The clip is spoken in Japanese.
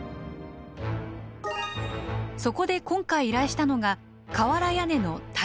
そこで今回依頼したのが瓦屋根の耐風診断。